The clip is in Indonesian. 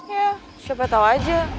ya siapa tahu aja